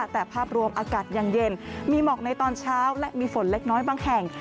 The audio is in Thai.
แต่ภาพรวมอากาศยังเย็นมีหมอกในตอนเช้าและมีฝนเล็กน้อยบางแห่ง